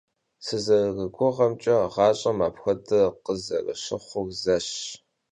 Sızeriguğemç'e, ğaş'em apxuede khızerışıxhur zeş.